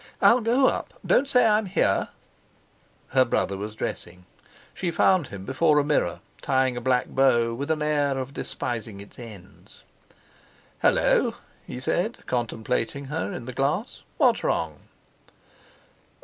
I'll go up; don't say I'm here." Her brother was dressing. She found him before a mirror, tying a black bow with an air of despising its ends. "Hullo!" he said, contemplating her in the glass; "what's wrong?"